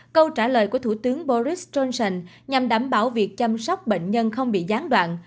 câu trả lời của thủ tướng boris johnson nhằm đảm bảo việc chăm sóc bệnh nhân không bị gián đoạn